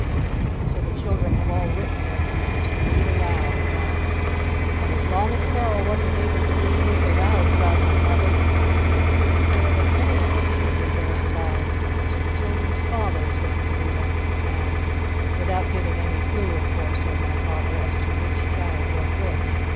So the children have all written their pieces to read aloud and " "But as long as Carol wasn't able to read his aloud," cried my Mother, "it didn't seem fair that any of 'em should read theirs aloud! So the children's father is going to read 'em. And " "Without giving any clue of course," said my Father, "as to which child wrote which.